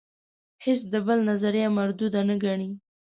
هیڅ د بل نظریه مرودوده نه ګڼي.